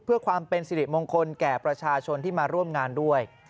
เพื่อความเป็นสิริมงคลแก่ประชาชนที่มาร่วมงานด้วย